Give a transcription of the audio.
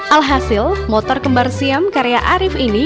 alhasil motor kembar siam karya arief ini